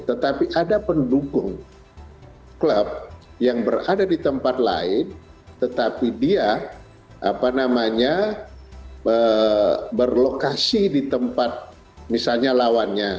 tetapi ada pendukung klub yang berada di tempat lain tetapi dia berlokasi di tempat misalnya lawannya